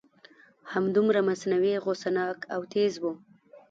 همدومره مصنوعي غصه ناک او تیز و.